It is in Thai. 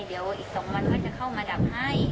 เดี๋ยวอีก๒วันเขาจะเข้ามาดับให้